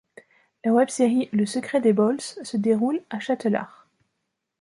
La web-série Le Secret des balls se déroule à Châtelard.